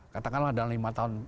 katakanlah dalam lima tahun